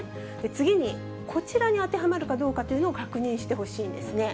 次に、こちらに当てはまるかどうかというのを確認してほしいんですね。